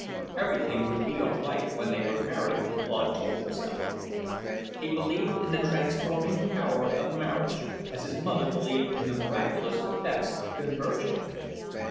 Everything would be all right when they were married, Claude told himself. He believed in the transforming power of marriage, as his mother believed in the miraculous effects of conversion.